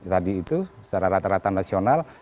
tadi itu secara rata rata nasional